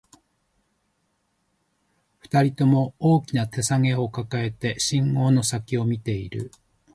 二人とも、大きな手提げを抱えて、信号の先を見ている